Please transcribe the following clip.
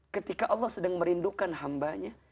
ketika allah sedang merindukan hambanya